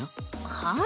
はあ？